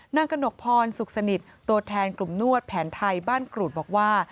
กระหนกพรสุขสนิทตัวแทนกลุ่มนวดแผนไทยบ้านกรูดบอกว่า